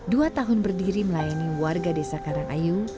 dua tahun berdiri melayani warga desa karangayu